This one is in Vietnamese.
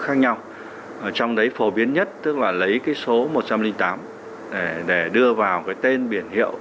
khác nhau trong đấy phổ biến nhất tức là lấy cái số một trăm linh tám để đưa vào cái tên biển hiệu